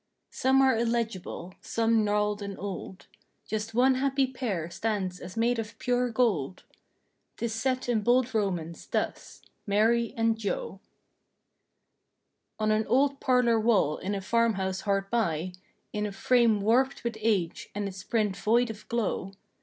Some are illegible; some gnarled and old. Just one happy pair stands as made of pure gold— 'Tis set in bold Romans, thus: "MARY AND JOE." On an old parlor wall in a farm house hard by, In a frame warped with age and its print void of glow.